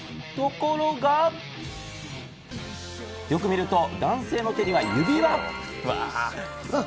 ところが、よく見ると男性の手には指輪。